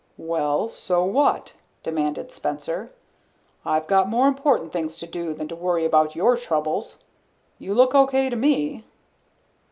"Well, so what?" demanded Spencer. "I've got more important things to do than to worry about your troubles. You look okay to me."